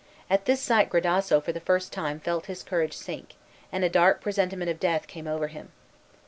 At this sight Gradasso for the first time felt his courage sink, and a dark presentiment of death came over him.